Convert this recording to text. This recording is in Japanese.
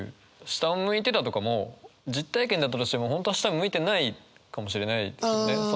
「下を向いて」だとかも実体験だったとしても本当は下を向いてないかもしれないですけどね。